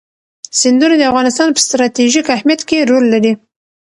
سیندونه د افغانستان په ستراتیژیک اهمیت کې رول لري.